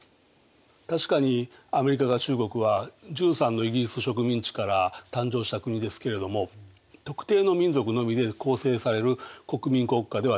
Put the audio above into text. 確かにアメリカ合衆国は１３のイギリスの植民地から誕生した国ですけれども特定の民族のみで構成される国民国家ではありません。